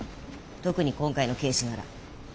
特に今回のケースなら。